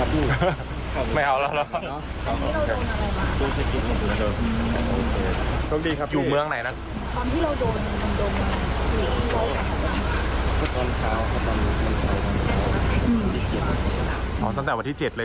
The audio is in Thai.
รอมอยู่ห้องครับตอนเช้า